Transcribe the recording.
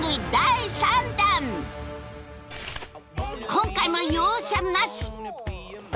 今回も容赦なし！